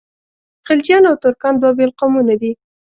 خلجیان او ترکان دوه بېل قومونه دي.